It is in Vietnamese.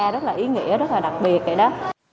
rất là ý nghĩa rất là đặc biệt vậy đó